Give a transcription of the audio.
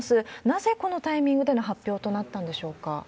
なぜこのタイミングでの発表となったんでしょうか。